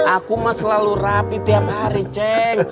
aku mah selalu rapi tiap hari cek